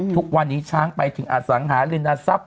ทุกวันนี้ช้างไปถึงอสังหารินทรัพย